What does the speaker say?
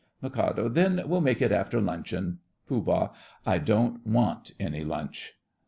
MIK. Then we'll make it after luncheon. POOH. I don't want any lunch.